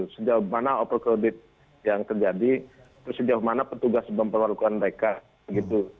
sejauh mana overcrowded yang terjadi terus sejauh mana petugas memperlakukan mereka gitu